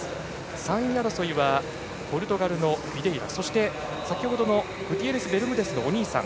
３位争いはポルトガルのビデイラそして先ほどのグティエレスベルムデスのお兄さん